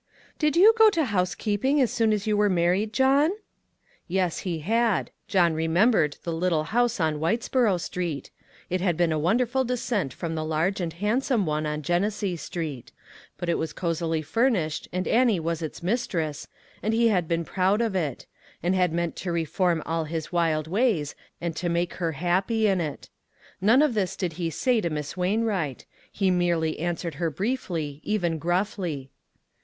DID you go to housekeeping as soon as you were married, John?" Yes, he had. John remembered the little, house on Whitesboro Street. It had been a wonderful descent from the large and hand some one on Genesee Street. But it was cosily furnished and Annie was its mistress, and he had been proud of it; and had meant to reform all his wild ways and to make her happy in it. None of this did he say to Miss Wainwright ; he merely an swered her briefly, even gruffly.